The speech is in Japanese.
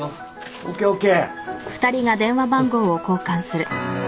ＯＫＯＫ！